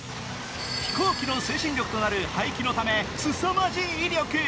飛行機の推進力となる排気のためすさまじい威力。